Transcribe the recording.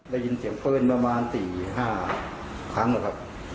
ได้ยินเสียงปืนประมาณ๔๕ครั้งนะครับ